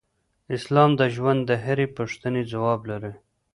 اسلام د ژوند د هرې پوښتنې ځواب لري.